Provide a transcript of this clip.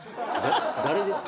誰ですか？